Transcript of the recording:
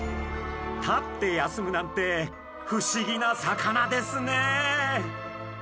立って休むなんて不思議な魚ですね。